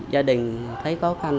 gia đình thấy khó khăn